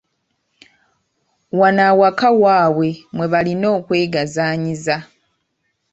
Wano waka waabwe mwe balina okwegazaanyiza .